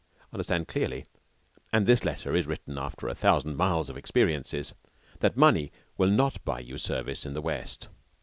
Understand clearly and this letter is written after a thousand miles of experiences that money will not buy you service in the West.